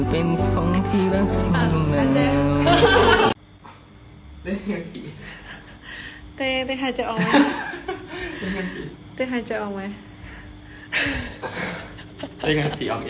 เป็นไงตีตายออกเอง